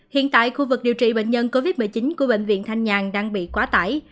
hiện tại khu vực điều trị bệnh nhân covid một mươi chín của bệnh viện thanh nhàn đang bị quá tải